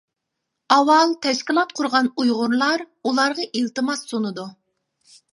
ئاۋۋال تەشكىلات قۇرغان ئۇيغۇرلار ئۇلارغا ئىلتىماس سۇنىدۇ.